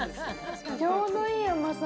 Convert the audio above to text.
ちょうどいい甘さ。